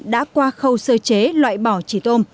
đã qua khâu sơ chế loại bỏ chỉ tôm